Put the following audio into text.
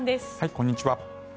こんにちは。